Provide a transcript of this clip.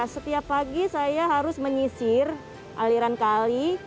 setiap pagi saya harus menyisir aliran kali